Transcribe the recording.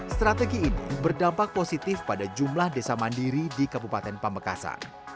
strategi ini berdampak positif pada jumlah desa mandiri di kabupaten pamekasan